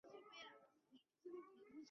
头孢唑肟常态下为白色或淡黄色结晶。